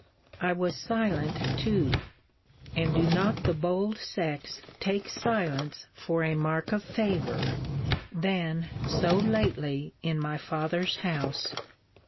I was silent too and do not the bold sex take silence for a mark of a favour! Then, so lately in my father's house!